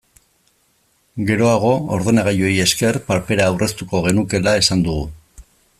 Geroago, ordenagailuei esker, papera aurreztuko genukeela esan dugu.